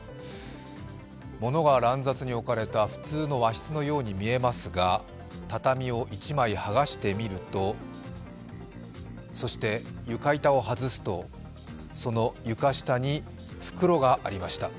物が乱雑に置かれた普通の和室のように見えますが、畳を１枚はがしてみると、そして床板を外すと、その床下に袋がありました。